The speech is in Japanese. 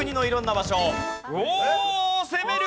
おお攻める！